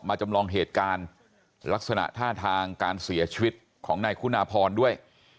จำลองเหตุการณ์ลักษณะท่าทางการเสียชีวิตของนายคุณาพรด้วย